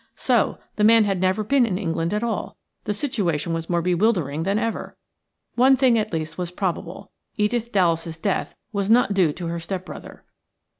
So the man had never been in England at all. The situation was more bewildering than ever. One thing, at least was probably – Edith Dallas's death was not due to her step brother.